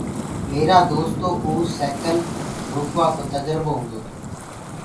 ميرآ دوستو ڪوُ سيڪل روڪوآ ڪو تجربو هوُندو تو۔